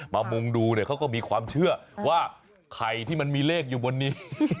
มุงดูเนี่ยเขาก็มีความเชื่อว่าไข่ที่มันมีเลขอยู่บนนี้